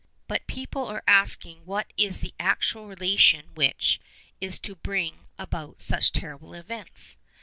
But people are asking what is the actual relation which is to bring about such terrible events.